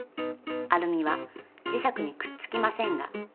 アルミは磁石にくっつきませんが電気は通します。